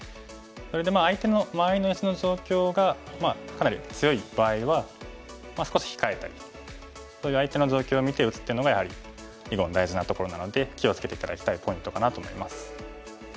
それで相手の周りの石の状況がかなり強い場合は少し控えたりそういう相手の状況を見て打つっていうのがやはり囲碁の大事なところなので気を付けて頂きたいポイントかなと思います。